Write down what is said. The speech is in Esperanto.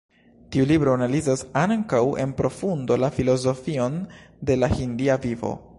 Tiu libro analizas ankaŭ en profundo la filozofion de la hindia vivo.